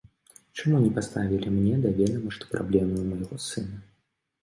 Чаму не паставілі мне да ведама, што праблемы ў майго сына?